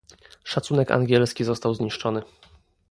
Szacunek angielski został zniszczony